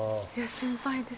心配です。